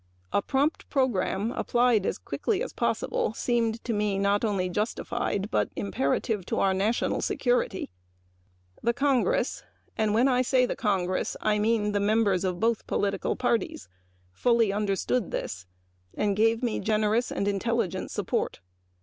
A prompt program applied as quickly as possible seemed to me not only justified but imperative to our national security. The Congress, and when I say Congress I mean the members of both political parties, fully understood this and gave me generous and intelligent support.